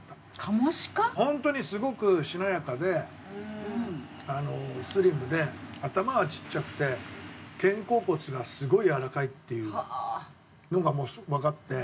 本当にすごくしなやかでスリムで頭はちっちゃくて肩甲骨がすごいやわらかいっていうのがわかって。